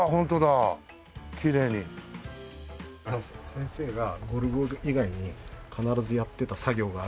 先生がゴルゴ以外に必ずやってた作業があるんです。